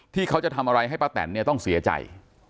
ที่เขาจะทำอะไรให้ป้าแตนเนี่ยต้องเสียใจ